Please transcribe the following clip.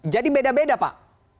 jadi beda beda pak